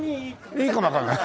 いいかもわかんない。